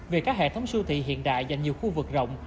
vì các hệ thống siêu thị hiện đại dành nhiều khu vực rộng